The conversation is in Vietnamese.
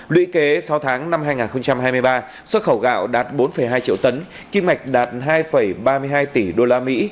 lũy kế sáu tháng năm hai nghìn hai mươi ba xuất khẩu gạo đạt bốn hai triệu tấn kim ngạch đạt hai ba mươi hai tỷ usd